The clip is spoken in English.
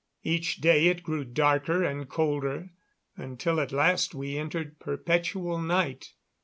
Each day it grew darker and colder, until at last we entered perpetual night.